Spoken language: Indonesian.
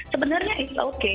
sebenarnya it's okay